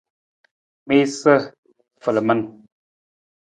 Miisa falaman.